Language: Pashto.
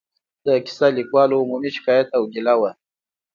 د کیسه لیکوالو عمومي شکایت او ګیله وه.